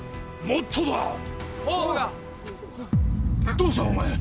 どうしたお前！